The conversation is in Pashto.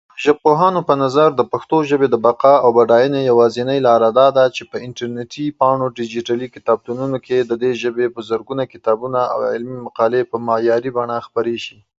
د ژبپوهانو په نظر، د پښتو ژبې د بقا او بډاینې يوازينۍ لاره دا ده چې په انټرنېټي پاڼو او ډېجیټلي کتابتونونو کې د دې ژبې په زرګونو کتابونه او علمي مقالې په معياري بڼه خپرې شي.